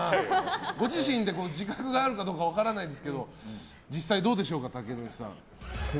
ご自身で自覚があるかどうか分からないですけど実際にどうでしょうか。